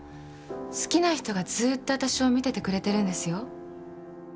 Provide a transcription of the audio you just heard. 好きな人がずーっと私を見ててくれてるんですよ。